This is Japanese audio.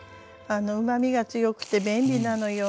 うまみが強くて便利なのよ。